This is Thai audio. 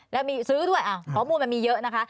แล้วมีซื้อด้วยข้อมูลมันมีเยอะนะคะ